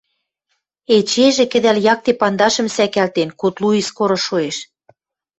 Эчежӹ кӹдӓл якте пандашым сӓкӓлтен, кудлу и скоры шоэш